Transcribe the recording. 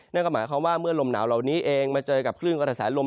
นั่นก็หมายความว่าเมื่อลมหนาวเหล่านี้เองมาเจอกับคลื่นกระแสลม